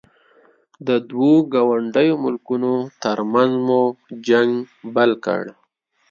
د دوو ګاونډیو ملکونو ترمنځ مو جنګ بل کړ.